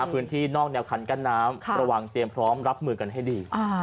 พื้นที่นอกแนวคันกั้นน้ำระวังเตรียมพร้อมรับมือกันให้ดี